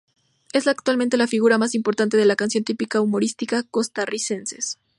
Es actualmente la figura más importante de la canción típica humorística costarricenses.